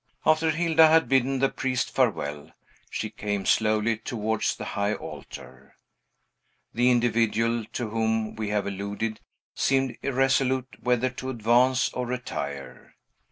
After Hilda had bidden the priest farewell, she came slowly towards the high altar. The individual to whom we have alluded seemed irresolute whether to advance or retire.